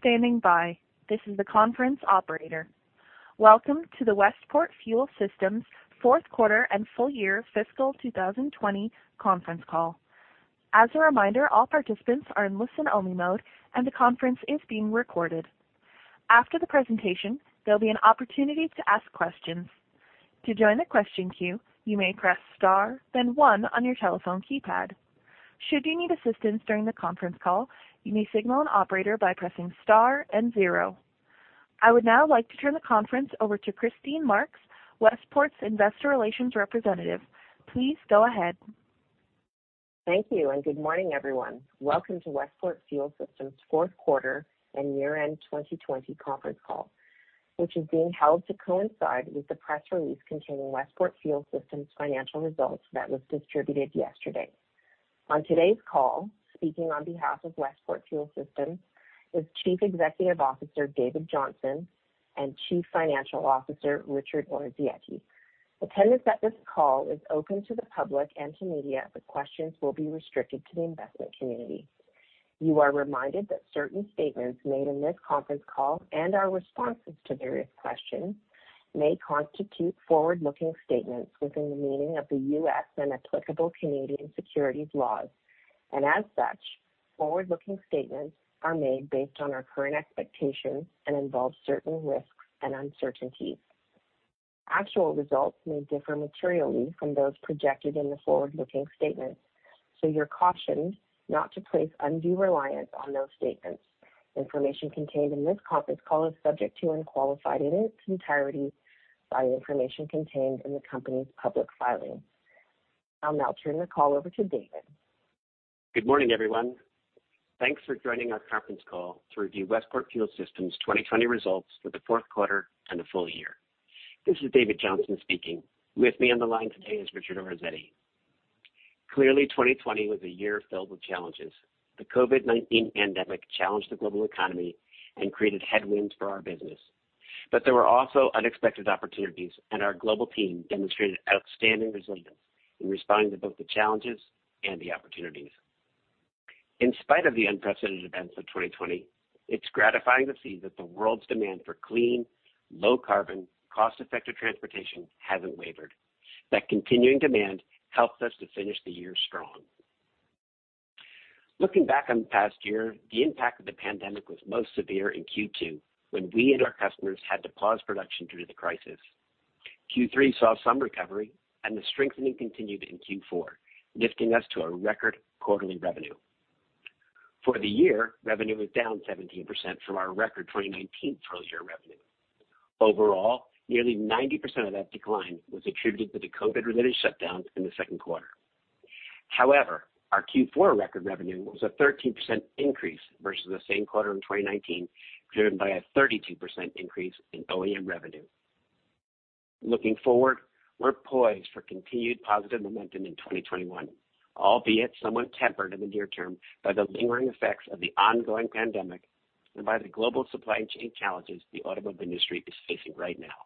Thank you for standing by. This is the conference operator. Welcome to the Westport Fuel Systems fourth quarter and full year fiscal 2020 conference call. As a reminder, all participants are in listen-only mode, and the conference is being recorded. After the presentation, there will be an opportunity to ask questions. To join the question queue, you may press star then one on your telephone keypad. Should you need assistance during the conference call, you may signal an operator by pressing star and zero. I would now like to turn the conference over to Christine Marks, Westport's investor relations representative. Please go ahead. Thank you, and good morning, everyone. Welcome to Westport Fuel Systems' fourth quarter and year-end 2020 conference call, which is being held to coincide with the press release containing Westport Fuel Systems' financial results that was distributed yesterday. On today's call, speaking on behalf of Westport Fuel Systems is Chief Executive Officer, David Johnson, and Chief Financial Officer, Richard Orazietti. Attendance at this call is open to the public and to media, questions will be restricted to the investment community. You are reminded that certain statements made in this conference call and our responses to various questions may constitute forward-looking statements within the meaning of the U.S. and applicable Canadian securities laws. As such, forward-looking statements are made based on our current expectations and involve certain risks and uncertainties. Actual results may differ materially from those projected in the forward-looking statements. You're cautioned not to place undue reliance on those statements. Information contained in this conference call is subject to unqualified in its entirety by the information contained in the company's public filings. I'll now turn the call over to David. Good morning, everyone. Thanks for joining our conference call to review Westport Fuel Systems' 2020 results for the fourth quarter and the full year. This is David Johnson speaking. With me on the line today is Richard Orazietti. Clearly, 2020 was a year filled with challenges. The COVID-19 pandemic challenged the global economy and created headwinds for our business. There were also unexpected opportunities, and our global team demonstrated outstanding resilience in responding to both the challenges and the opportunities. In spite of the unprecedented events of 2020, it's gratifying to see that the world's demand for clean, low-carbon, cost-effective transportation hasn't wavered. That continuing demand helped us to finish the year strong. Looking back on the past year, the impact of the pandemic was most severe in Q2 when we and our customers had to pause production due to the crisis. Q3 saw some recovery, and the strengthening continued in Q4, lifting us to a record quarterly revenue. For the year, revenue was down 17% from our record 2019 full-year revenue. Overall, nearly 90% of that decline was attributed to the COVID-related shutdowns in the second quarter. However, our Q4 record revenue was a 13% increase versus the same quarter in 2019, driven by a 32% increase in OEM revenue. Looking forward, we're poised for continued positive momentum in 2021, albeit somewhat tempered in the near term by the lingering effects of the ongoing pandemic and by the global supply chain challenges the automobile industry is facing right now.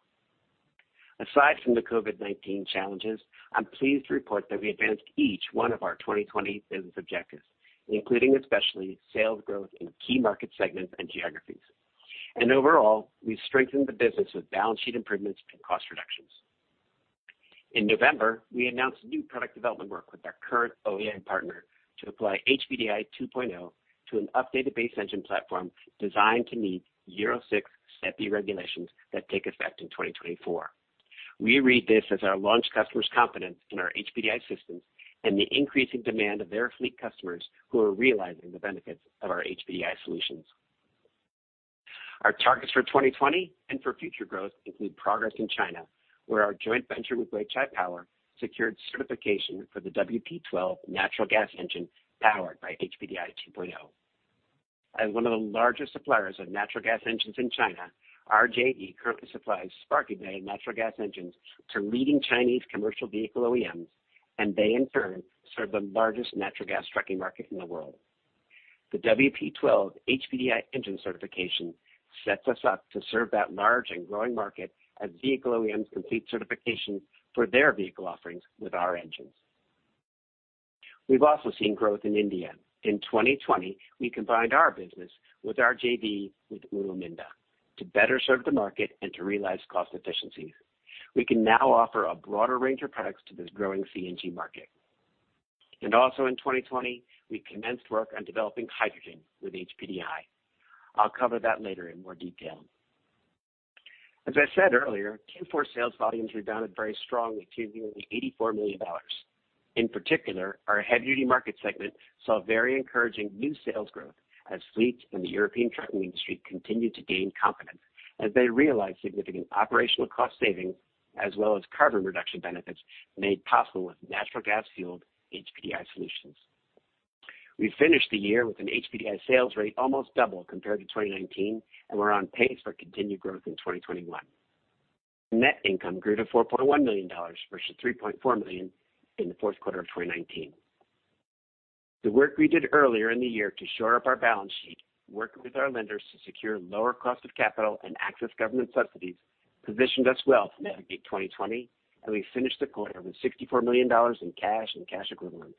Aside from the COVID-19 challenges, I'm pleased to report that we advanced each one of our 2020 business objectives, including especially sales growth in key market segments and geographies. Overall, we've strengthened the business with balance sheet improvements and cost reductions. In November, we announced new product development work with our current OEM partner to apply HPDI 2.0 to an updated base engine platform designed to meet Euro 6 Step B regulations that take effect in 2024. We read this as our launch customers' confidence in our HPDI systems and the increasing demand of their fleet customers who are realizing the benefits of our HPDI solutions. Our targets for 2020 and for future growth include progress in China, where our joint venture with Weichai Power secured certification for the WP12 natural gas engine powered by HPDI 2.0. As one of the largest suppliers of natural gas engines in China, RJE currently supplies Spark Ignited natural gas engines to leading Chinese commercial vehicle OEMs. They, in turn, serve the largest natural gas trucking market in the world. The WP12 HPDI engine certification sets us up to serve that large and growing market as vehicle OEMs complete certification for their vehicle offerings with our engines. We've also seen growth in India. In 2020, we combined our business with our JV with Uno Minda to better serve the market and to realize cost efficiencies. We can now offer a broader range of products to this growing CNG market. Also in 2020, we commenced work on developing hydrogen with HPDI. I'll cover that later in more detail. As I said earlier, Q4 sales volumes rebounded very strongly to nearly $84 million. In particular, our heavy-duty market segment saw very encouraging new sales growth as fleets in the European trucking industry continued to gain confidence as they realized significant operational cost savings as well as carbon reduction benefits made possible with natural gas-fueled HPDI solutions. We finished the year with an HPDI sales rate almost double compared to 2019, and we're on pace for continued growth in 2021. Net income grew to $4.1 million versus $3.4 million in the fourth quarter of 2019. The work we did earlier in the year to shore up our balance sheet, working with our lenders to secure lower cost of capital and access government subsidies. Positioned us well to navigate 2020, and we finished the quarter with $64 million in cash and cash equivalents.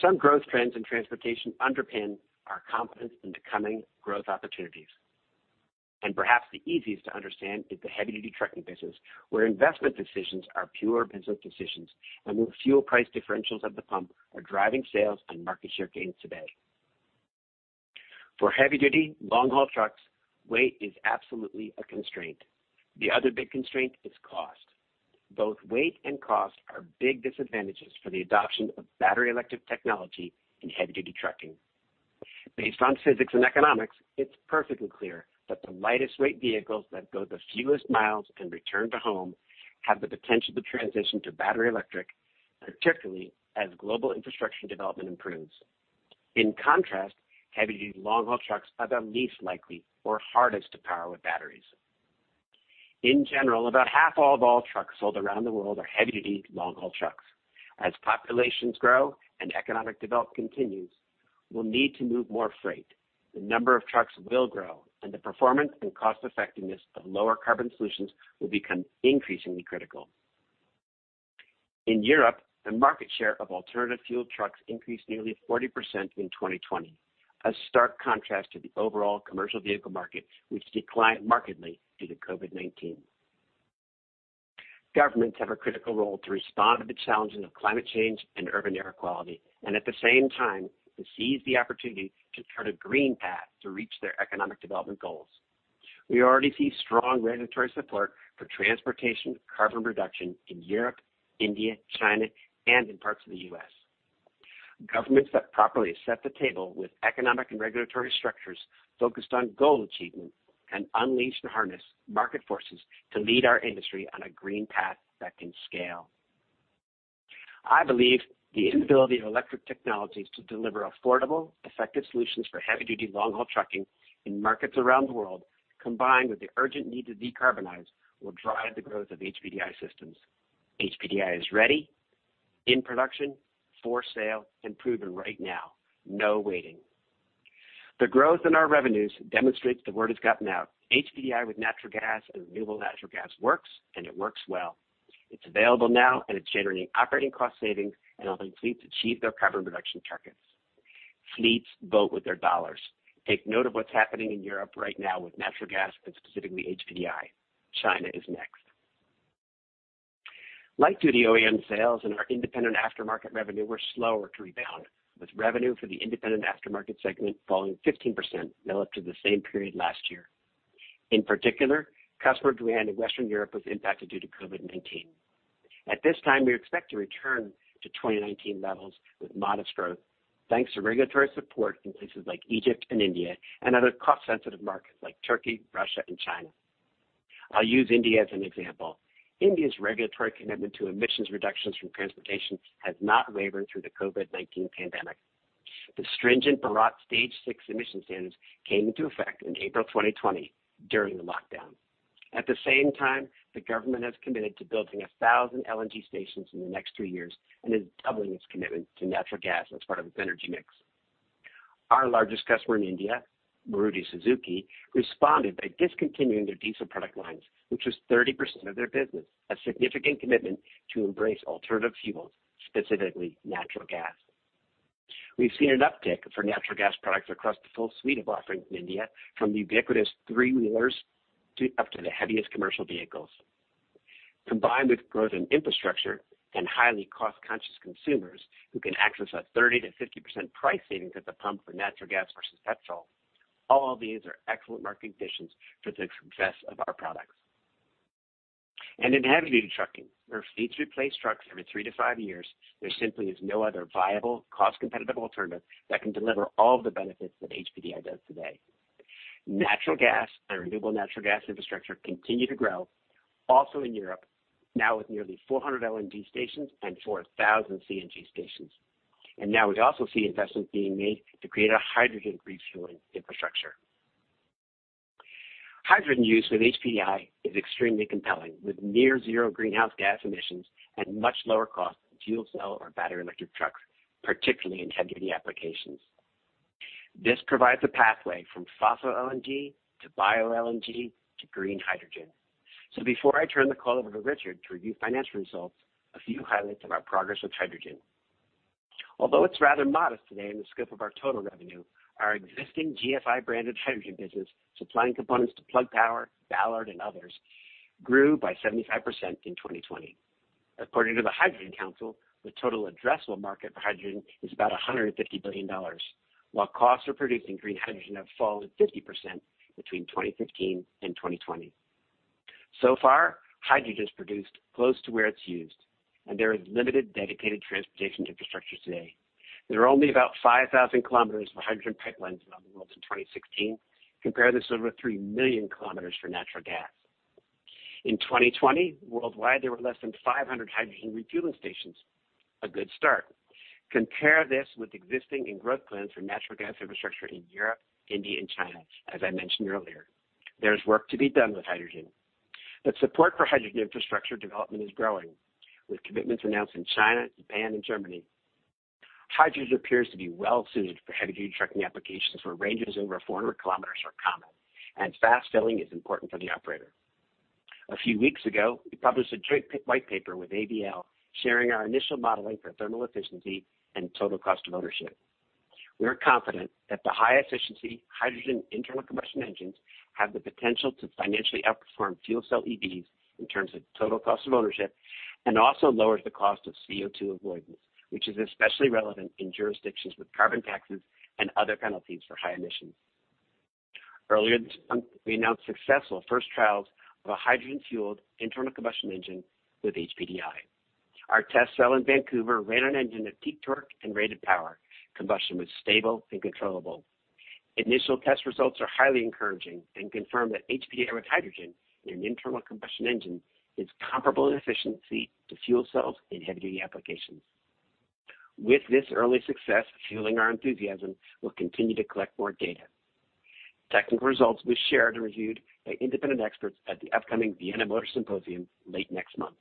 Some growth trends in transportation underpin our confidence in the coming growth opportunities. Perhaps the easiest to understand is the heavy-duty trucking business, where investment decisions are pure business decisions and where fuel price differentials at the pump are driving sales and market share gains today. For heavy-duty, long-haul trucks, weight is absolutely a constraint. The other big constraint is cost. Both weight and cost are big disadvantages for the adoption of battery electric technology in heavy-duty trucking. Based on physics and economics, it's perfectly clear that the lightest weight vehicles that go the fewest miles and return to home have the potential to transition to battery electric, particularly as global infrastructure development improves. In contrast, heavy-duty, long-haul trucks are the least likely or hardest to power with batteries. In general, about half of all trucks sold around the world are heavy-duty, long-haul trucks. As populations grow and economic development continues, we'll need to move more freight. The number of trucks will grow, and the performance and cost-effectiveness of lower carbon solutions will become increasingly critical. In Europe, the market share of alternative fuel trucks increased nearly 40% in 2020, a stark contrast to the overall commercial vehicle market, which declined markedly due to COVID-19. Governments have a critical role to respond to the challenges of climate change and urban air quality, and at the same time, to seize the opportunity to chart a green path to reach their economic development goals. We already see strong regulatory support for transportation carbon reduction in Europe, India, China, and in parts of the U.S. Governments that properly set the table with economic and regulatory structures focused on goal achievement can unleash and harness market forces to lead our industry on a green path that can scale. I believe the inability of electric technologies to deliver affordable, effective solutions for heavy-duty, long-haul trucking in markets around the world, combined with the urgent need to decarbonize, will drive the growth of HPDI systems. HPDI is ready, in production, for sale, and proven right now. No waiting. The growth in our revenues demonstrates the word has gotten out. HPDI with natural gas and renewable natural gas works, and it works well. It's available now, and it's generating operating cost savings and helping fleets achieve their carbon reduction targets. Fleets vote with their dollars. Take note of what's happening in Europe right now with natural gas and specifically HPDI. China is next. Light-duty OEM sales and our independent aftermarket revenue were slower to rebound, with revenue for the independent aftermarket segment falling 15% relative to the same period last year. In particular, customer demand in Western Europe was impacted due to COVID-19. At this time, we expect to return to 2019 levels with modest growth, thanks to regulatory support in places like Egypt and India, and other cost-sensitive markets like Turkey, Russia, and China. I'll use India as an example. India's regulatory commitment to emissions reductions from transportation has not wavered through the COVID-19 pandemic. The stringent Bharat Stage VI emission standards came into effect in April 2020 during the lockdown. The government has committed to building 1,000 LNG stations in the next three years and is doubling its commitment to natural gas as part of its energy mix. Our largest customer in India, Maruti Suzuki, responded by discontinuing their diesel product lines, which was 30% of their business, a significant commitment to embrace alternative fuels, specifically natural gas. We've seen an uptick for natural gas products across the full suite of offerings in India, from the ubiquitous three-wheelers up to the heaviest commercial vehicles. Combined with growth in infrastructure and highly cost-conscious consumers who can access a 30%-50% price saving at the pump for natural gas versus petrol, all these are excellent market conditions for the success of our products. In heavy-duty trucking, where fleets replace trucks every 3-5 years, there simply is no other viable, cost-competitive alternative that can deliver all the benefits that HPDI does today. Natural gas and renewable natural gas infrastructure continue to grow, also in Europe, now with nearly 400 LNG stations and 4,000 CNG stations. Now we also see investments being made to create a hydrogen refueling infrastructure. Hydrogen use with HPDI is extremely compelling, with near zero greenhouse gas emissions and much lower cost than fuel cell or battery electric trucks, particularly in heavy-duty applications. This provides a pathway from fossil LNG to bio LNG to green hydrogen. Before I turn the call over to Richard to review financial results, a few highlights of our progress with hydrogen. Although it's rather modest today in the scope of our total revenue, our existing GFI brand of hydrogen business, supplying components to Plug Power, Ballard, and others, grew by 75% in 2020. According to the Hydrogen Council, the total addressable market for hydrogen is about $150 billion, while costs for producing green hydrogen have fallen 50% between 2015 and 2020. So far, hydrogen is produced close to where it's used, and there is limited dedicated transportation infrastructure today. There were only about 5,000 km of hydrogen pipelines around the world in 2016. Compare this to over 3 million kilometers for natural gas. In 2020, worldwide, there were less than 500 hydrogen refueling stations. A good start. Compare this with existing and growth plans for natural gas infrastructure in Europe, India, and China, as I mentioned earlier. There's work to be done with hydrogen. Support for hydrogen infrastructure development is growing, with commitments announced in China, Japan, and Germany. Hydrogen appears to be well-suited for heavy-duty trucking applications where ranges over 400 km are common, and fast filling is important for the operator. A few weeks ago, we published a joint white paper with ADL sharing our initial modeling for thermal efficiency and total cost of ownership. We are confident that the high-efficiency hydrogen internal combustion engines have the potential to financially outperform fuel cell EVs in terms of total cost of ownership and also lowers the cost of CO2 avoidance, which is especially relevant in jurisdictions with carbon taxes and other penalties for high emissions. Earlier this month, we announced successful first trials of a hydrogen-fueled internal combustion engine with HPDI. Our test cell in Vancouver ran an engine at peak torque and rated power. Combustion was stable and controllable. Initial test results are highly encouraging and confirm that HPDI with hydrogen in an internal combustion engine is comparable in efficiency to fuel cells in heavy-duty applications. With this early success fueling our enthusiasm, we'll continue to collect more data. Technical results will be shared and reviewed by independent experts at the upcoming Vienna Motor Symposium late next month.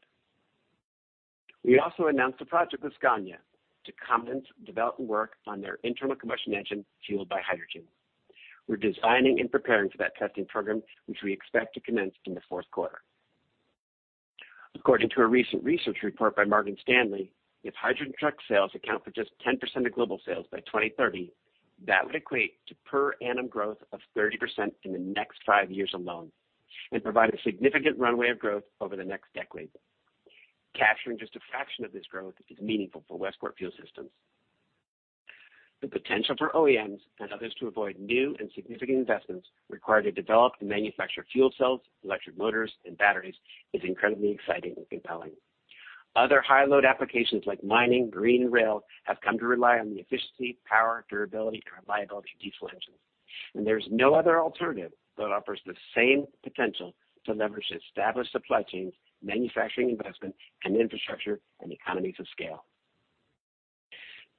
We also announced a project with Scania to commence development work on their internal combustion engine fueled by hydrogen. We're designing and preparing for that testing program, which we expect to commence in the fourth quarter. According to a recent research report by Morgan Stanley, if hydrogen truck sales account for just 10% of global sales by 2030, that would equate to per annum growth of 30% in the next five years alone and provide a significant runway of growth over the next decade. Capturing just a fraction of this growth is meaningful for Westport Fuel Systems. The potential for OEMs and others to avoid new and significant investments required to develop and manufacture fuel cells, electric motors, and batteries is incredibly exciting and compelling. Other high-load applications like mining, green rail, have come to rely on the efficiency, power, durability, and reliability of diesel engines. There's no other alternative that offers the same potential to leverage established supply chains, manufacturing investment, and infrastructure and economies of scale.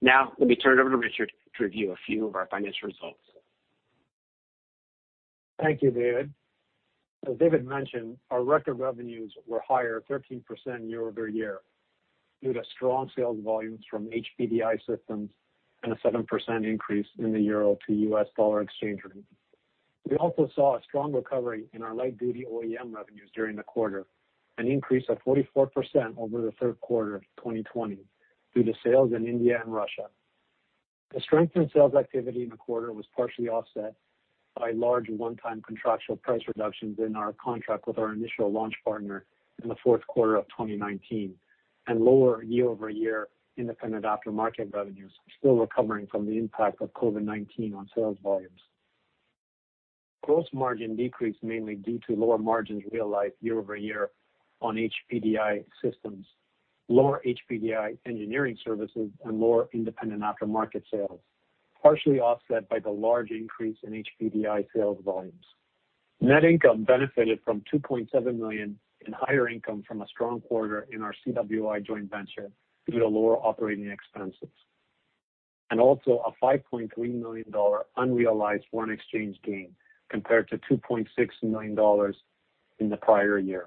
Let me turn it over to Richard to review a few of our financial results. Thank you, David. As David mentioned, our record revenues were higher 13% year-over-year due to strong sales volumes from HPDI systems and a 7% increase in the euro to US dollar exchange rate. We also saw a strong recovery in our light-duty OEM revenues during the quarter, an increase of 44% over the third quarter of 2020 due to sales in India and Russia. The strength in sales activity in the quarter was partially offset by large one-time contractual price reductions in our contract with our initial launch partner in the fourth quarter of 2019 and lower year-over-year independent aftermarket revenues still recovering from the impact of COVID-19 on sales volumes. Gross margin decreased mainly due to lower margins realized year-over-year on HPDI systems, lower HPDI engineering services, and lower independent aftermarket sales, partially offset by the large increase in HPDI sales volumes. Net income benefited from $2.7 million in higher income from a strong quarter in our CWI joint venture due to lower operating expenses. Also a $5.3 million unrealized foreign exchange gain compared to $2.6 million in the prior year.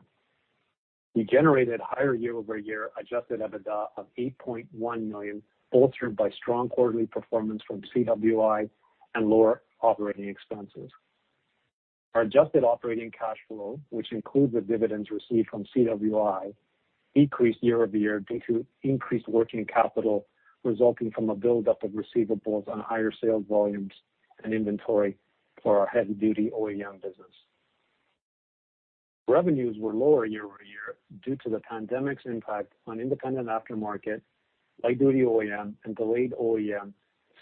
We generated higher year-over-year adjusted EBITDA of $8.1 million, bolstered by strong quarterly performance from CWI and lower operating expenses. Our adjusted operating cash flow, which includes the dividends received from CWI, decreased year-over-year due to increased working capital resulting from a buildup of receivables on higher sales volumes and inventory for our heavy-duty OEM business. Revenues were lower year-over-year due to the pandemic's impact on independent aftermarket, light-duty OEM, and delayed OEM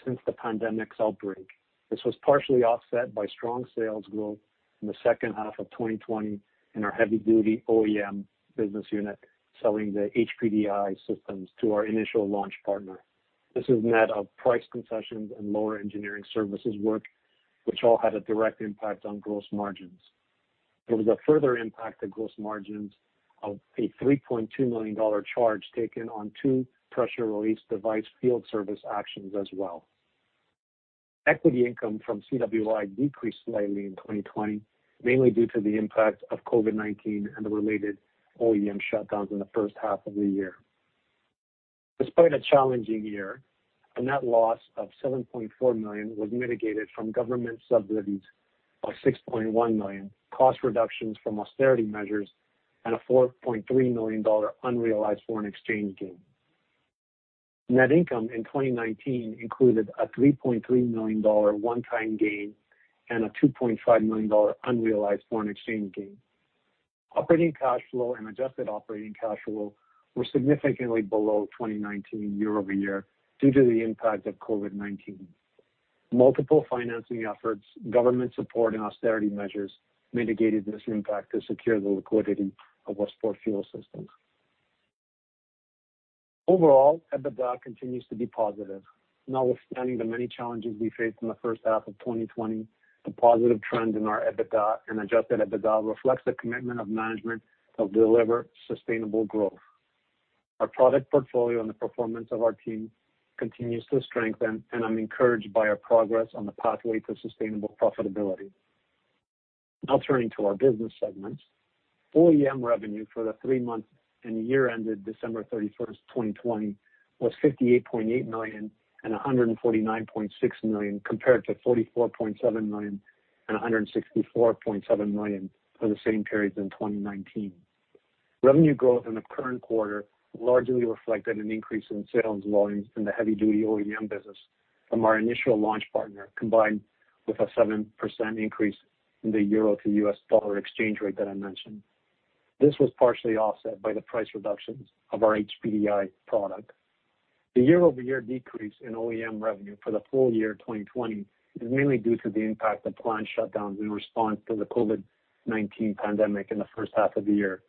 since the pandemic's outbreak. This was partially offset by strong sales growth in the second half of 2020 in our heavy-duty OEM business unit, selling the HPDI systems to our initial launch partner. This is net of price concessions and lower engineering services work, which all had a direct impact on gross margins. There was a further impact to gross margins of a $3.2 million charge taken on two pressure release device field service actions as well. Equity income from CWI decreased slightly in 2020, mainly due to the impact of COVID-19 and the related OEM shutdowns in the first half of the year. Despite a challenging year, a net loss of $7.4 million was mitigated from government subsidies of $6.1 million, cost reductions from austerity measures, and a $4.3 million unrealized foreign exchange gain. Net income in 2019 included a $3.3 million one-time gain and a $2.5 million unrealized foreign exchange gain. Operating cash flow and adjusted operating cash flow were significantly below 2019 year-over-year due to the impact of COVID-19. Multiple financing efforts, government support, and austerity measures mitigated this impact to secure the liquidity of Westport Fuel Systems. Overall, EBITDA continues to be positive. Notwithstanding the many challenges we faced in the first half of 2020, the positive trend in our EBITDA and adjusted EBITDA reflects the commitment of management to deliver sustainable growth. Our product portfolio and the performance of our team continues to strengthen, and I'm encouraged by our progress on the pathway to sustainable profitability. Now turning to our business segments. OEM revenue for the three months and the year ended December 31st, 2020 was $58.8 million and $149.6 million compared to $44.7 million and $164.7 million for the same periods in 2019. Revenue growth in the current quarter largely reflected an increase in sales volumes in the heavy-duty OEM business from our initial launch partner, combined with a 7% increase in the euro to US dollar exchange rate that I mentioned. This was partially offset by the price reductions of our HPDI product. The year-over-year decrease in OEM revenue for the full year 2020 is mainly due to the impact of plant shutdowns in response to the COVID-19 pandemic in the first half of the year,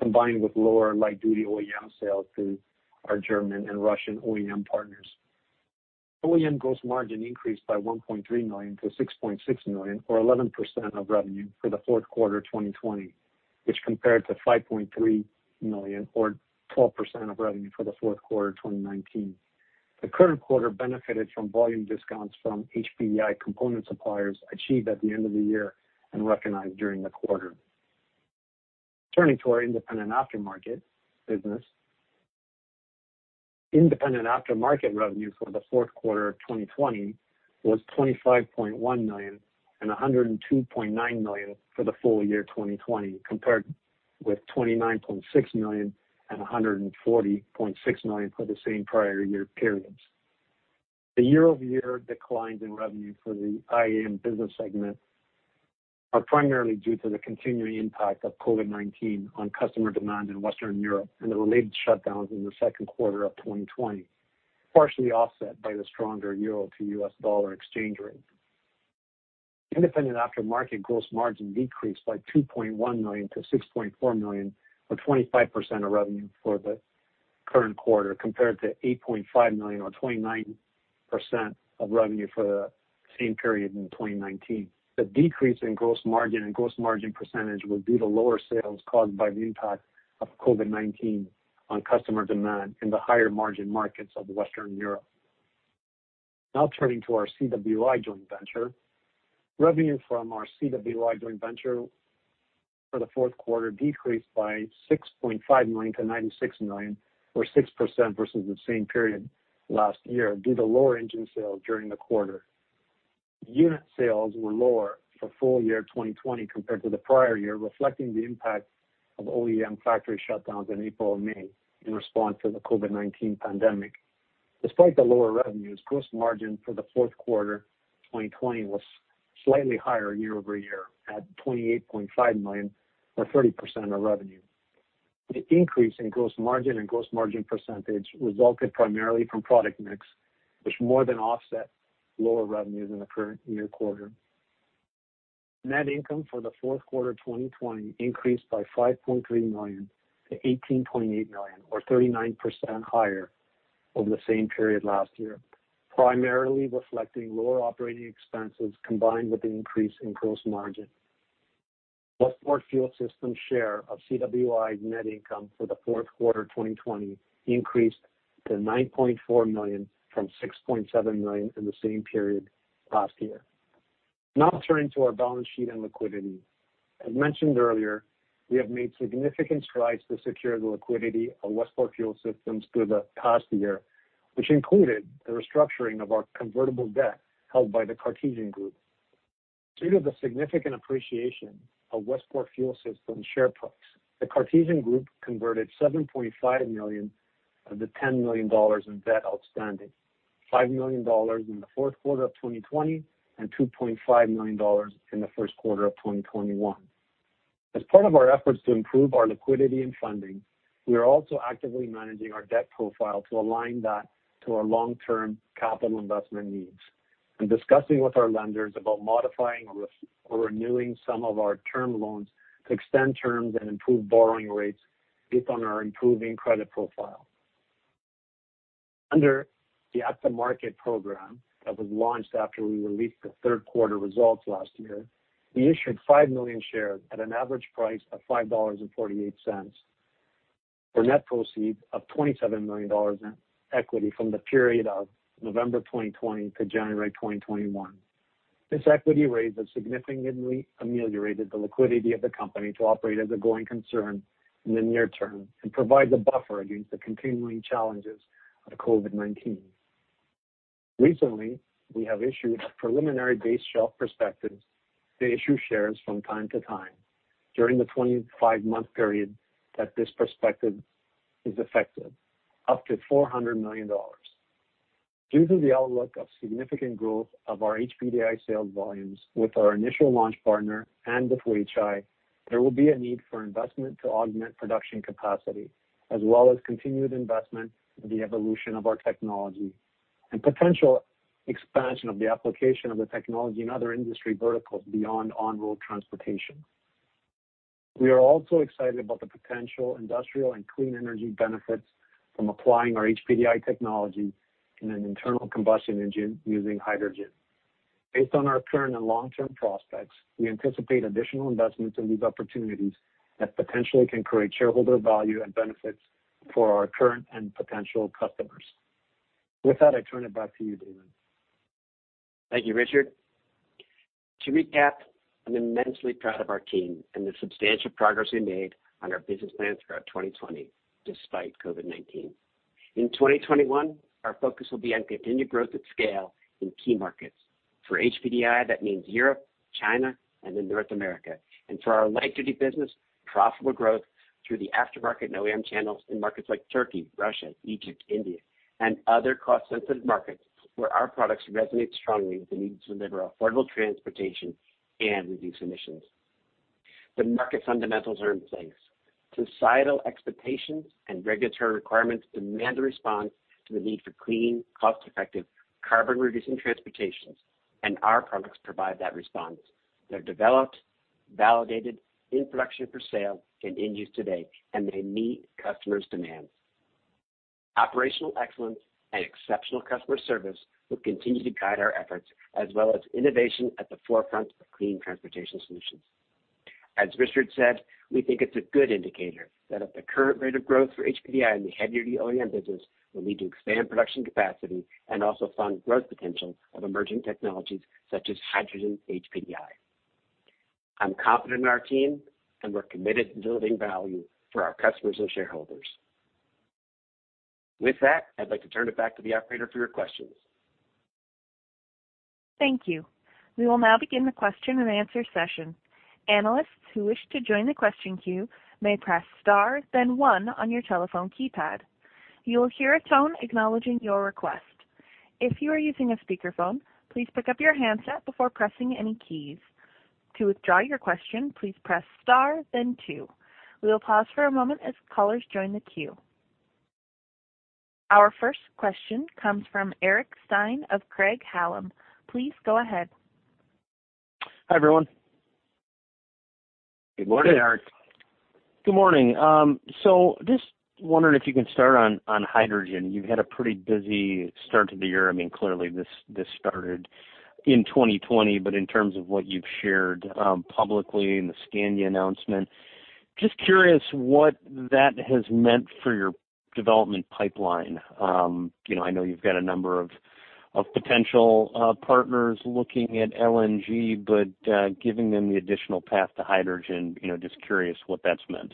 combined with lower light-duty OEM sales to our German and Russian OEM partners. OEM gross margin increased by $1.3 million to $6.6 million, or 11% of revenue for the fourth quarter 2020, which compared to $5.3 million or 12% of revenue for the fourth quarter 2019. The current quarter benefited from volume discounts from HPDI component suppliers achieved at the end of the year and recognized during the quarter. Turning to our independent aftermarket business. Independent aftermarket revenue for the fourth quarter of 2020 was $25.1 million and $102.9 million for the full year 2020, compared with $29.6 million and $140.6 million for the same prior year periods. The year-over-year declines in revenue for the IAM business segment are primarily due to the continuing impact of COVID-19 on customer demand in Western Europe and the related shutdowns in the second quarter of 2020, partially offset by the stronger euro to US dollar exchange rate. Independent aftermarket gross margin decreased by $2.1 million to $6.4 million, or 25% of revenue for the current quarter, compared to $8.5 million or 29% of revenue for the same period in 2019. The decrease in gross margin and gross margin percentage was due to lower sales caused by the impact of COVID-19 on customer demand in the higher margin markets of Western Europe. Now turning to our CWI joint venture. Revenue from our CWI joint venture for the fourth quarter decreased by $6.5 million to $96 million, or 6% versus the same period last year due to lower engine sales during the quarter. Unit sales were lower for full year 2020 compared to the prior year, reflecting the impact of OEM factory shutdowns in April and May in response to the COVID-19 pandemic. Despite the lower revenues, gross margin for the fourth quarter 2020 was slightly higher year-over-year at $28.5 million or 30% of revenue. The increase in gross margin and gross margin percentage resulted primarily from product mix, which more than offset lower revenues in the current year quarter. Net income for the fourth quarter 2020 increased by $5.3 million to $18.8 million or 39% higher over the same period last year, primarily reflecting lower operating expenses combined with the increase in gross margin. Westport Fuel Systems share of CWI's net income for the fourth quarter 2020 increased to $9.4 million from $6.7 million in the same period last year. Now turning to our balance sheet and liquidity. As mentioned earlier, we have made significant strides to secure the liquidity of Westport Fuel Systems through the past year, which included the restructuring of our convertible debt held by The Cartesian Group. Due to the significant appreciation of Westport Fuel Systems share price, The Cartesian Group converted $7.5 million of the $10 million in debt outstanding, $5 million in the fourth quarter of 2020 and $2.5 million in the first quarter of 2021. As part of our efforts to improve our liquidity and funding, we are also actively managing our debt profile to align that to our long-term capital investment needs and discussing with our lenders about modifying or renewing some of our term loans to extend terms and improve borrowing rates based on our improving credit profile. Under the at the market program that was launched after we released the third quarter results last year, we issued 5 million shares at an average price of $5.48 for net proceeds of $27 million in equity from the period of November 2020 to January 2021. This equity raise has significantly ameliorated the liquidity of the company to operate as a going concern in the near term and provide the buffer against the continuing challenges of COVID-19. Recently, we have issued a preliminary base shelf prospectus to issue shares from time to time during the 25-month period that this prospectus is effective, up to $400 million. Due to the outlook of significant growth of our HPDI sales volumes with our initial launch partner and with Weichai, there will be a need for investment to augment production capacity as well as continued investment in the evolution of our technology and potential expansion of the application of the technology in other industry verticals beyond on-road transportation. We are also excited about the potential industrial and clean energy benefits from applying our HPDI technology in an internal combustion engine using hydrogen. Based on our current and long-term prospects, we anticipate additional investments in these opportunities that potentially can create shareholder value and benefits for our current and potential customers. With that, I turn it back to you, David. Thank you, Richard. To recap, I'm immensely proud of our team and the substantial progress we made on our business plans throughout 2020, despite COVID-19. In 2021, our focus will be on continued growth at scale in key markets. For HPDI, that means Europe, China, and then North America. For our light-duty business, profitable growth through the aftermarket and OEM channels in markets like Turkey, Russia, Egypt, India, and other cost-sensitive markets where our products resonate strongly with the need to deliver affordable transportation and reduce emissions. The market fundamentals are in place. Societal expectations and regulatory requirements demand a response to the need for clean, cost-effective, carbon-reducing transportations, and our products provide that response. They're developed, validated, in production for sale, and in use today, and they meet customers' demands. Operational excellence and exceptional customer service will continue to guide our efforts, as well as innovation at the forefront of clean transportation solutions. As Richard said, we think it's a good indicator that at the current rate of growth for HPDI in the heavy-duty OEM business will lead to expanded production capacity and also fund growth potential of emerging technologies such as hydrogen HPDI. I'm confident in our team, and we're committed to delivering value for our customers and shareholders. With that, I'd like to turn it back to the operator for your questions. Thank you. We will now begin the question and answer session. Analysts who wish to join the question queue may press star then one on your telephone keypad. You will hear a tone acknowledging your request. If you are using a speakerphone, please pick up your handset before pressing any keys. To withdraw your question, please press star then two. We will pause for a moment as callers join the queue. Our first question comes from Eric Stine of Craig-Hallum. Please go ahead. Hi, everyone. Good morning, Eric. Good morning. Just wondering if you can start on hydrogen. You've had a pretty busy start to the year. Clearly, this started in 2020, in terms of what you've shared publicly and the Scania announcement, just curious what that has meant for your development pipeline. I know you've got a number of potential partners looking at LNG, giving them the additional path to hydrogen, just curious what that's meant.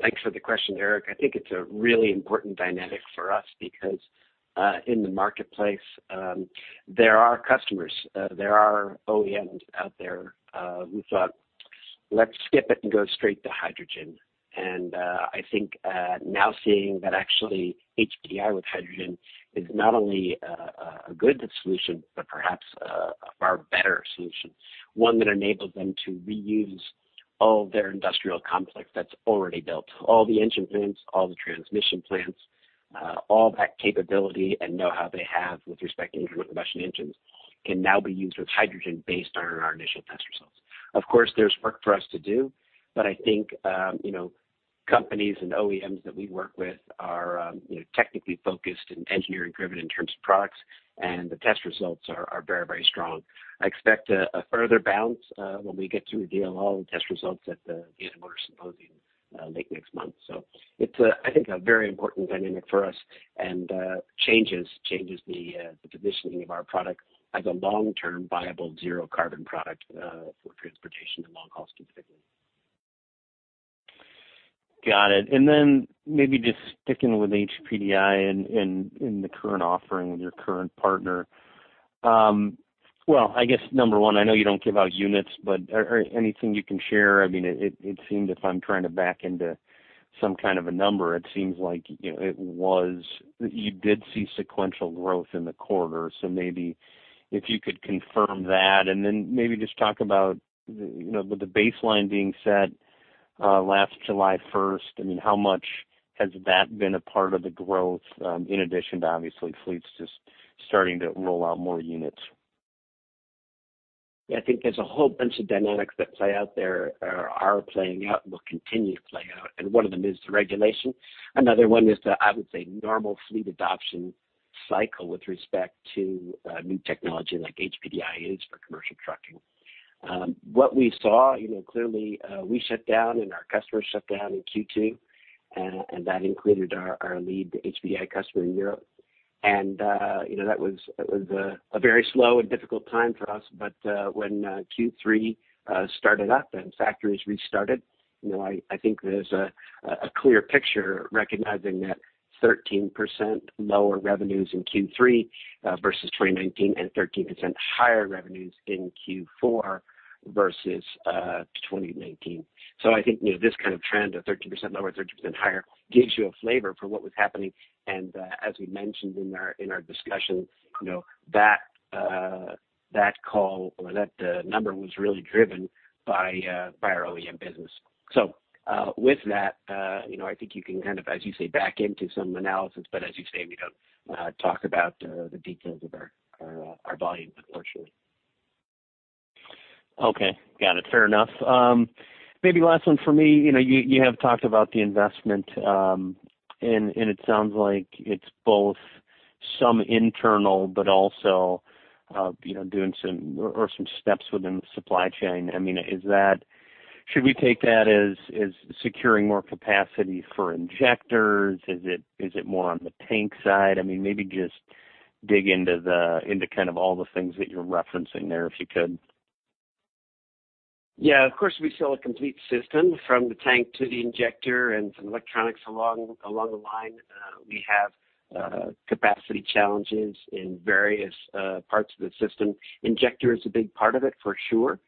Thanks for the question, Eric. I think it's a really important dynamic for us because in the marketplace, there are customers, there are OEMs out there who thought, "Let's skip it and go straight to hydrogen." I think now seeing that actually HPDI with hydrogen is not only a good solution, but perhaps a far better solution, one that enables them to reuse all of their industrial complex that's already built. All the engine plants, all the transmission plants, all that capability and know-how they have with respect to engine, with combustion engines, can now be used with hydrogen based on our initial test results. Of course, there's work for us to do, but I think companies and OEMs that we work with are technically focused and engineering driven in terms of products, and the test results are very strong. I expect a further bounce when we get to reveal all the test results at the Motor Symposium late next month. It's, I think, a very important dynamic for us and changes the positioning of our product as a long-term viable zero-carbon product for transportation and long haul specifically. Got it. Maybe just sticking with HPDI in the current offering with your current partner. Well, I guess number one, I know you don't give out units, but anything you can share? If I'm trying to back into some kind of a number, it seems like you did see sequential growth in the quarter. Maybe if you could confirm that, and then maybe just talk about with the baseline being set last July 1st, how much has that been a part of the growth in addition to obviously fleets just starting to roll out more units? I think there's a whole bunch of dynamics that play out there, or are playing out and will continue to play out. One of them is the regulation. Another one is the, I would say, normal fleet adoption cycle with respect to new technology like HPDI is for commercial trucking. What we saw, clearly, we shut down and our customers shut down in Q2. That included our lead HPDI customer in Europe. That was a very slow and difficult time for us. When Q3 started up and factories restarted, I think there's a clear picture recognizing that 13% lower revenues in Q3 versus 2019 and 13% higher revenues in Q4 versus 2019. I think this kind of trend of 13% lower, 13% higher gives you a flavor for what was happening. As we mentioned in our discussion, that call or that number was really driven by our OEM business. With that, I think you can kind of, as you say, back into some analysis, but as you say, we don't talk about the details of our volume unfortunately. Okay. Got it. Fair enough. Maybe last one for me. It sounds like it's both some internal, but also doing some steps within the supply chain. Should we take that as securing more capacity for injectors? Is it more on the tank side? Maybe just dig into all the things that you're referencing there, if you could. Yeah. Of course, we sell a complete system from the tank to the injector and some electronics along the line. We have capacity challenges in various parts of the system. Injector is a big part of it, for sure.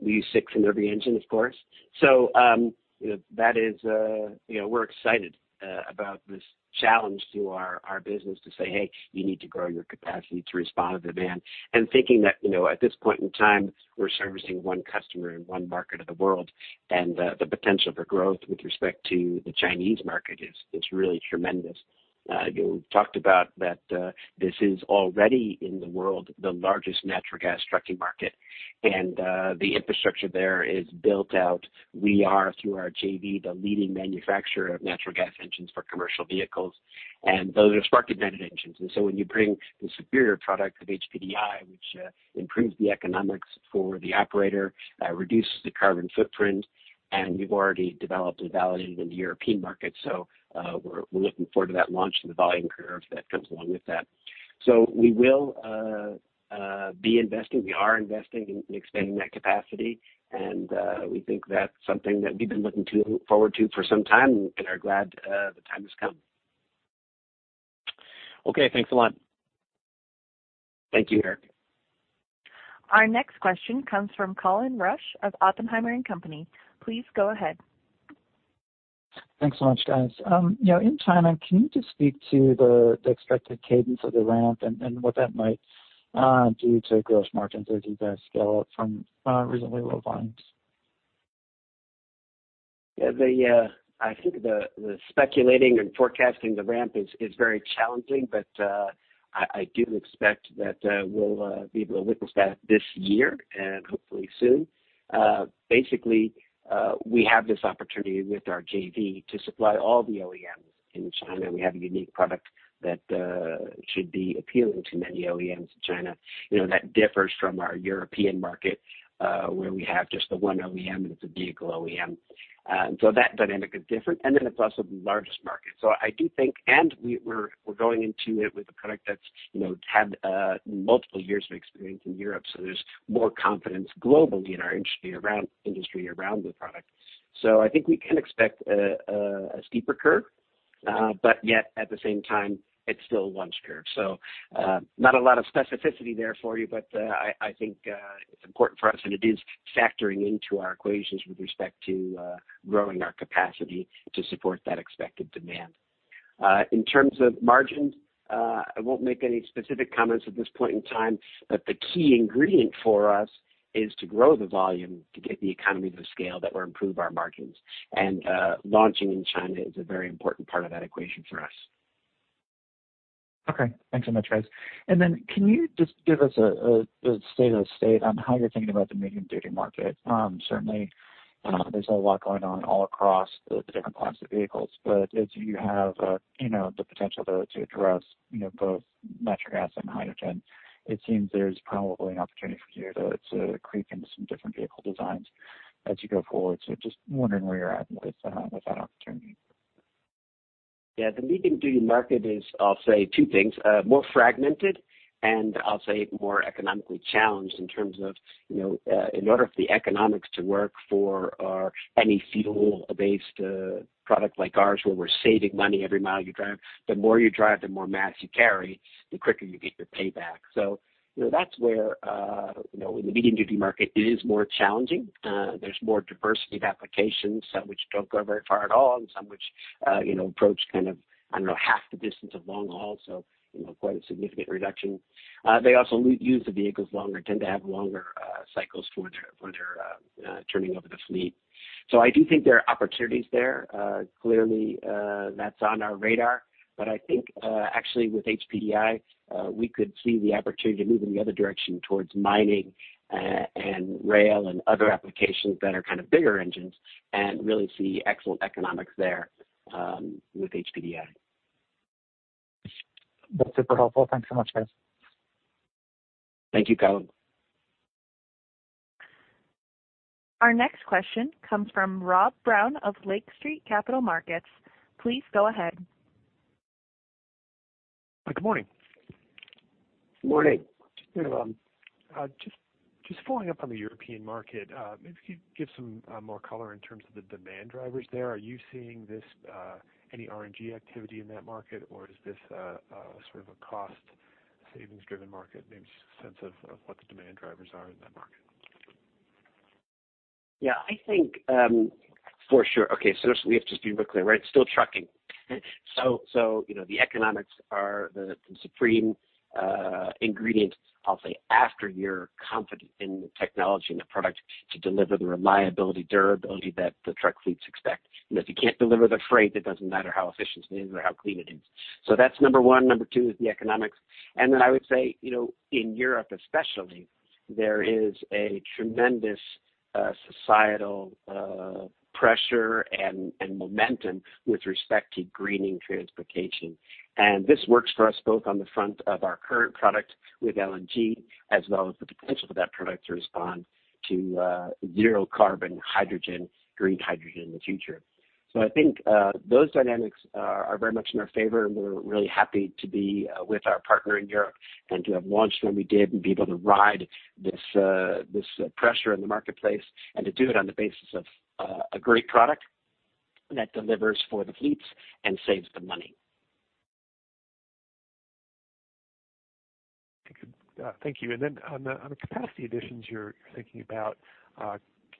We use six in every engine, of course. We're excited about this challenge to our business to say, "Hey, you need to grow your capacity to respond to demand." Thinking that at this point in time, we're servicing one customer in one market of the world, and the potential for growth with respect to the Chinese market is really tremendous. You talked about that this is already, in the world, the largest natural gas trucking market, and the infrastructure there is built out. We are, through our JV, the leading manufacturer of natural gas engines for commercial vehicles, and those are Spark Ignited engines. When you bring the superior product of HPDI, which improves the economics for the operator, reduces the carbon footprint, and we've already developed and validated in the European market. We're looking forward to that launch and the volume curve that comes along with that. We will be investing. We are investing in expanding that capacity, and we think that's something that we've been looking forward to for some time and are glad the time has come. Okay, thanks a lot. Thank you, Eric. Our next question comes from Colin Rusch of Oppenheimer & Co. Please go ahead. Thanks so much, guys. In China, can you just speak to the expected cadence of the ramp and what that might do to gross margins as you guys scale up from reasonably low volumes? Yeah. I think the speculating and forecasting the ramp is very challenging, but I do expect that we'll be able to witness that this year and hopefully soon. We have this opportunity with our JV to supply all the OEMs in China. We have a unique product that should be appealing to many OEMs in China. That differs from our European market, where we have just the one OEM, and it's a vehicle OEM. That dynamic is different, and then it's also the largest market. We're going into it with a product that's had multiple years of experience in Europe, so there's more confidence globally in our industry around the product. I think we can expect a steeper curve, but yet at the same time, it's still a launch curve. Not a lot of specificity there for you, but I think it's important for us, and it is factoring into our equations with respect to growing our capacity to support that expected demand. In terms of margins, I won't make any specific comments at this point in time, but the key ingredient for us is to grow the volume to get the economies of scale that will improve our margins. Launching in China is a very important part of that equation for us. Okay, thanks so much, guys. Can you just give us a state of state on how you're thinking about the medium-duty market? Certainly, there's a lot going on all across the different classes of vehicles, but as you have the potential, though, to address both natural gas and hydrogen, it seems there's probably an opportunity for you, though, to creep into some different vehicle designs as you go forward. Just wondering where you're at with that opportunity. Yeah. The medium-duty market is, I'll say two things, more fragmented and I'll say more economically challenged in terms of in order for the economics to work for any fuel-based product like ours, where we're saving money every mile you drive, the more you drive, the more mass you carry, the quicker you get your payback. That's where in the medium-duty market, it is more challenging. There's more diversity of applications, some which don't go very far at all, and some which approach kind of, I don't know, half the distance of long haul. Quite a significant reduction. They also use the vehicles longer, tend to have longer cycles for their turning over the fleet. I do think there are opportunities there. Clearly, that's on our radar. I think, actually with HPDI, we could see the opportunity to move in the other direction towards mining and rail and other applications that are kind of bigger engines and really see excellent economics there with HPDI. That's super helpful. Thanks so much, guys. Thank you, Colin. Our next question comes from Rob Brown of Lake Street Capital Markets. Please go ahead. Good morning. Morning. Just following up on the European market, maybe if you could give some more color in terms of the demand drivers there. Are you seeing any RNG activity in that market, or is this sort of a cost savings driven market? Maybe just a sense of what the demand drivers are in that market. Yeah, I think for sure. Okay. Let's just be real clear, right? It's still trucking. The economics are the supreme ingredient, I'll say, after you're confident in the technology and the product to deliver the reliability, durability that the truck fleets expect. If you can't deliver the freight, it doesn't matter how efficient it is or how clean it is. That's number one. Number two is the economics. I would say, in Europe especially, there is a tremendous societal pressure and momentum with respect to greening transportation. This works for us both on the front of our current product with LNG, as well as the potential for that product to respond to zero-carbon hydrogen, green hydrogen in the future. I think those dynamics are very much in our favor, and we're really happy to be with our partner in Europe and to have launched when we did and be able to ride this pressure in the marketplace and to do it on the basis of a great product that delivers for the fleets and saves them money. Thank you. On the capacity additions you're thinking about,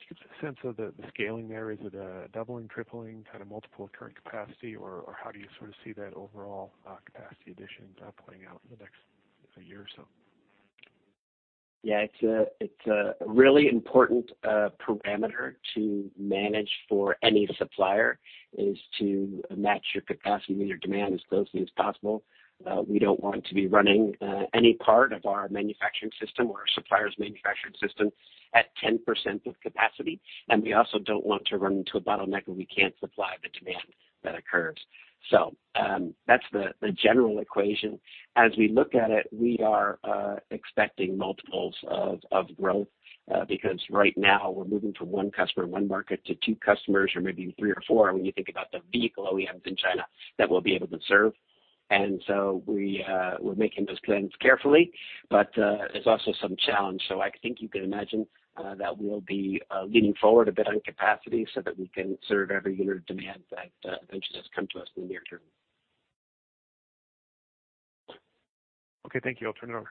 can you give us a sense of the scaling there? Is it a doubling, tripling, kind of multiple of current capacity, or how do you sort of see that overall capacity addition playing out in the next year or so? It's a really important parameter to manage for any supplier, is to match your capacity and your demand as closely as possible. We don't want to be running any part of our manufacturing system or our supplier's manufacturing system at 10% of capacity, and we also don't want to run into a bottleneck where we can't supply the demand that occurs. That's the general equation. As we look at it, we are expecting multiples of growth, because right now we're moving from one customer in one market to two customers or maybe three or four, when you think about the vehicle OEMs in China that we'll be able to serve. We're making those plans carefully. There's also some challenge. I think you can imagine that we'll be leaning forward a bit on capacity so that we can serve every unit of demand that eventually does come to us in the near term. Okay, thank you. I'll turn it over.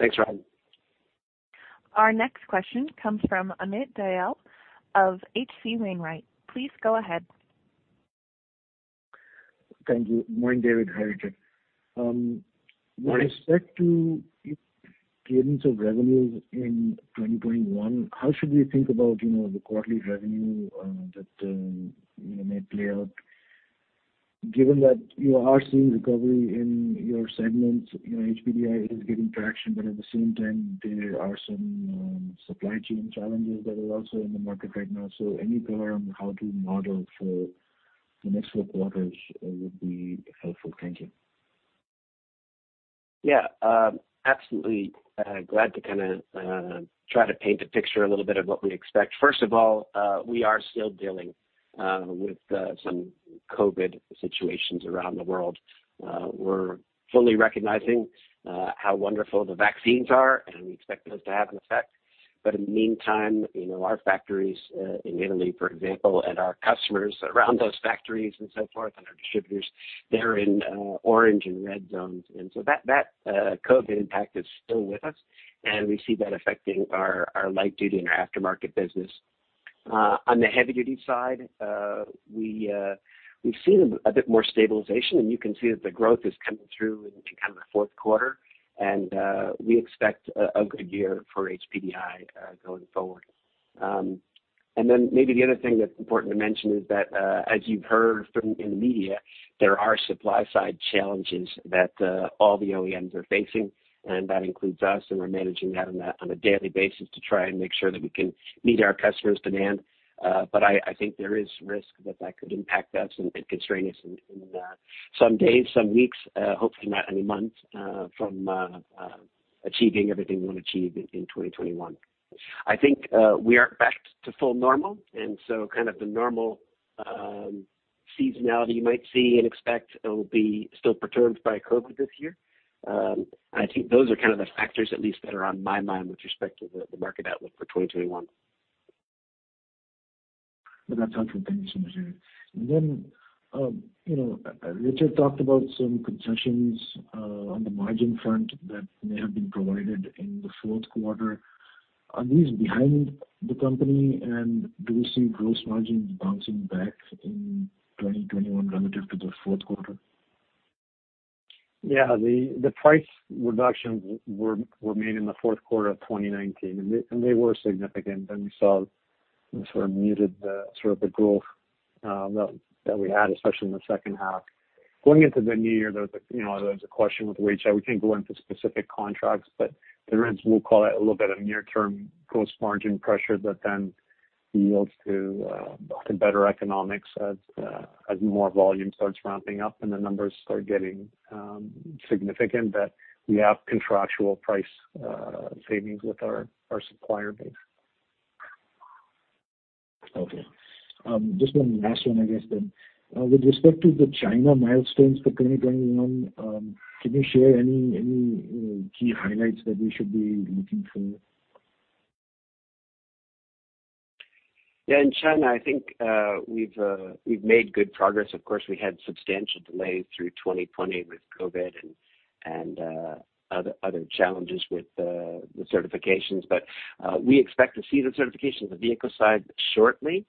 Thanks, Rob. Our next question comes from Amit Dayal of H.C. Wainwright. Please go ahead. Thank you. Morning, David. Hi, Richard. Morning. With respect to your cadence of revenues in 2021, how should we think about the quarterly revenue that may play out given that you are seeing recovery in your segments? HPDI is getting traction, but at the same time, there are some supply chain challenges that are also in the market right now. Any color on how to model for the next four quarters would be helpful. Thank you. Yeah. Absolutely glad to kind of try to paint a picture a little bit of what we expect. First of all, we are still dealing with some COVID situations around the world. We're fully recognizing how wonderful the vaccines are, and we expect those to have an effect. In the meantime, our factories in Italy, for example, and our customers around those factories and so forth, and our distributors, they're in orange and red zones. That COVID impact is still with us, and we see that affecting our light-duty and our aftermarket business. On the heavy-duty side, we've seen a bit more stabilization, and you can see that the growth is coming through into kind of the fourth quarter. We expect a good year for HPDI going forward. Maybe the other thing that's important to mention is that, as you've heard in the media, there are supply side challenges that all the OEMs are facing, and that includes us, and we're managing that on a daily basis to try and make sure that we can meet our customers' demand. I think there is risk that could impact us and constrain us in some days, some weeks, hopefully not any months, from achieving everything we want to achieve in 2021. I think we are back to full normal, and so kind of the normal seasonality you might see and expect will be still perturbed by COVID this year. Those are kind of the factors at least that are on my mind with respect to the market outlook for 2021. With that, sounds good. Thank you so much, David. Richard talked about some concessions on the margin front that may have been provided in the fourth quarter. Are these behind the company, and do we see gross margins bouncing back in 2021 relative to the fourth quarter? Yeah. The price reductions were made in the fourth quarter of 2019, and they were significant, and we saw they sort of muted the growth that we had, especially in the second half. Going into the new year, there was a question with the HPDI. We can't go into specific contracts. There is, we'll call it, a little bit of near-term gross margin pressure that then yields to better economics as more volume starts ramping up and the numbers start getting significant. We have contractual price savings with our supplier base. Okay. Just one last one, I guess, then. With respect to the China milestones for 2021, can you share any key highlights that we should be looking for? Yeah. In China, I think we've made good progress. Of course, we had substantial delays through 2020 with COVID and other challenges with the certifications. We expect to see the certification on the vehicle side shortly,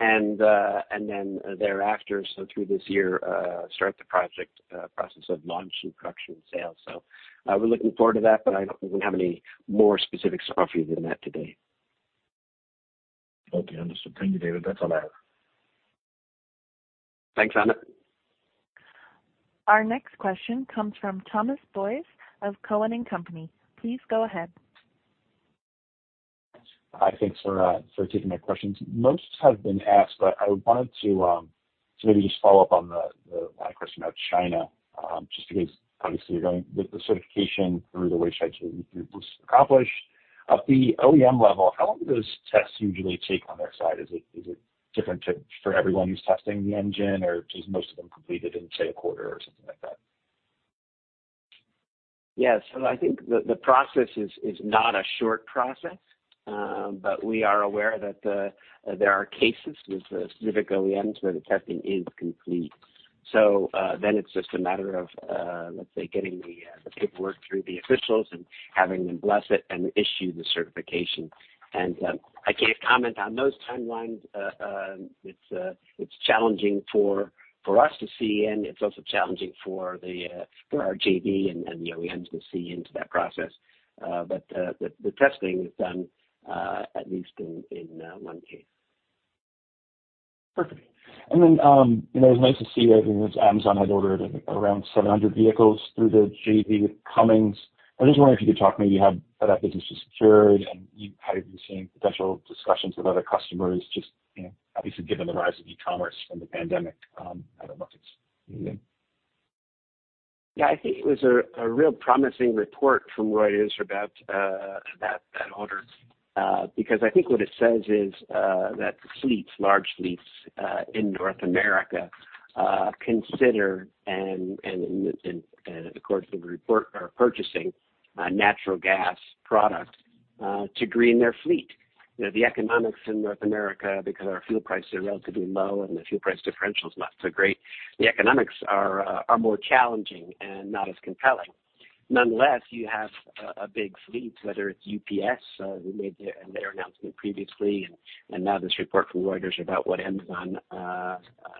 and then thereafter, so through this year, start the process of launch and production and sales. We're looking forward to that, but I don't think we have any more specifics to offer you than that today. Okay. Understood. Thank you, David. That's all I have. Thanks, Amit. Our next question comes from Thomas Boyes of Cowen and Company. Please go ahead. Hi, thanks for taking my questions. Most have been asked. I wanted to maybe just follow up on the last question about China, just because obviously you're going with the certification through the was accomplished. At the OEM level, how long do those tests usually take on their side? Is it different for everyone who's testing the engine, or do most of them complete it in, say, a quarter or something like that? Yeah. I think the process is not a short process, but we are aware that there are cases with specific OEMs where the testing is complete. Then it's just a matter of, let's say, getting the paperwork through the officials and having them bless it and issue the certification. I can't comment on those timelines. It's challenging for us to see, and it's also challenging for our JV and the OEMs to see into that process. The testing is done, at least in one case. Perfect. It was nice to see that Amazon had ordered around 700 vehicles through the JV with Cummins. I just wonder if you could talk maybe how that business was secured and how you've been seeing potential discussions with other customers, just obviously given the rise of e-commerce from the pandemic. I don't know if it's anything. Yeah, I think it was a real promising report from Reuters about that order, because I think what it says is that fleets, large fleets, in North America consider and, according to the report, are purchasing natural gas products to green their fleet. The economics in North America, because our fuel prices are relatively low and the fuel price differential's not so great, the economics are more challenging and not as compelling. Nonetheless, you have a big fleet, whether it's UPS, who made their announcement previously, and now this report from Reuters about what Amazon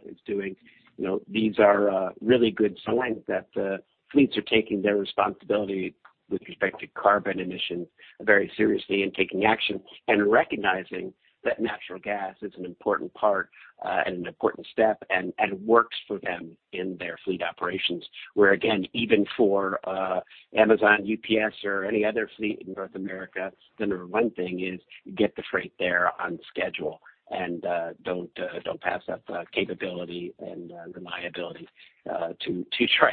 is doing. These are really good signs that fleets are taking their responsibility with respect to carbon emissions very seriously and taking action and recognizing that natural gas is an important part, and an important step, and works for them in their fleet operations. Again, even for Amazon, UPS, or any other fleet in North America, the number one thing is get the freight there on schedule and don't pass up the capability and reliability to try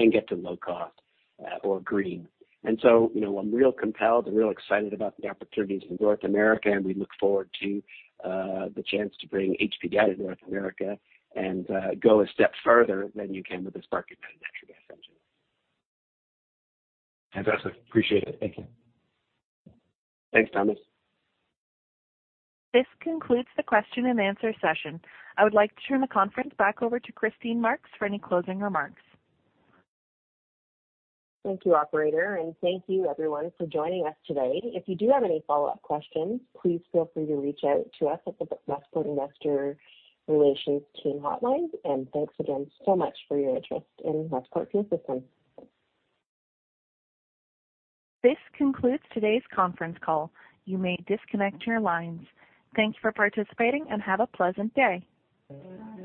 and get to low cost or green. I'm real compelled and real excited about the opportunities in North America, and we look forward to the chance to bring HPDI to North America and go a step further than you can with a spark-ignited natural gas engine. Fantastic. Appreciate it. Thank you. Thanks, Thomas. This concludes the question and answer session. I would like to turn the conference back over to Christine Marks for any closing remarks. Thank you, operator, and thank you everyone for joining us today. If you do have any follow-up questions, please feel free to reach out to us at the Westport Investor Relations team hotline. And thanks again so much for your interest in Westport Fuel Systems. This concludes today's conference call. You may disconnect your lines. Thank you for participating, and have a pleasant day. Bye-bye.